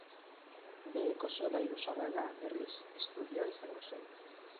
Beheko solairu zabala, berriz, estudioa izango zen.